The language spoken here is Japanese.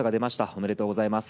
おめでとうございます。